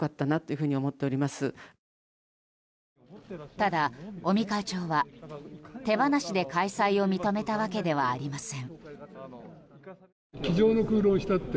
ただ、尾身会長は手放しで開催を認めたわけではありません。